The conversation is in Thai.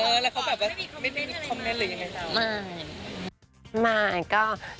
เออแล้วเขาแบบว่าไม่มีความแน่ใจเลยยังไง